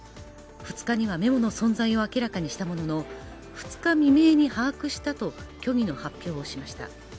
２日にはメモの存在を明らかにしたものの、２日未明に把握したと虚偽の発表をしました。